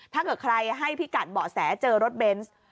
ถ้าเกิดใครให้พิกัดเบาะแสเจอรถเบนส์